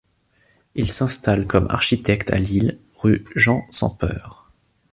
Il s’installe comme architecte à Lille rue Jean-sans-Peur.